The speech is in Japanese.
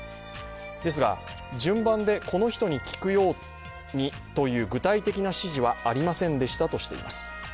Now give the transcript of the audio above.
ですが順番でこの人に聞くようにという具体的な指示はありませんでしたとしています